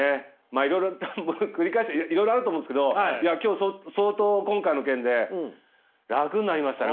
いろいろ繰り返していろいろあると思うんですけど今日相当今回の件で楽になりましたね。